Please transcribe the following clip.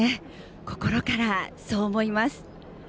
心から、そう思います。